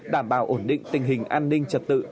đảm bảo ổn định tình hình an ninh trật tự